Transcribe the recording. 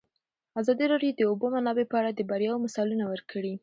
ازادي راډیو د د اوبو منابع په اړه د بریاوو مثالونه ورکړي.